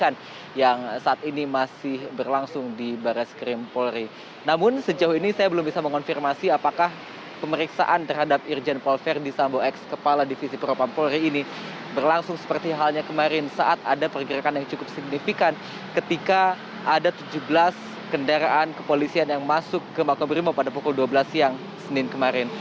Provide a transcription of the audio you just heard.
namun sejauh ini saya belum bisa mengonfirmasi apakah pemeriksaan terhadap irjen verdi sambo x kepala divisi propang polri ini berlangsung seperti halnya kemarin saat ada pergerakan yang cukup signifikan ketika ada tujuh belas kendaraan kepolisian yang masuk ke markas korps brimo pada pukul dua belas siang senin kemarin